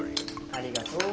ありがとう。